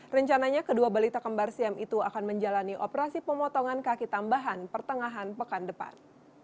rencananya kedua balita kembar siam itu akan menjalani operasi pemotongan kaki tambahan pertengahan pekan depan